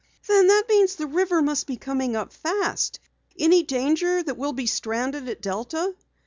"Then that means the river must be coming up fast. Any danger we'll be stranded at Delta?"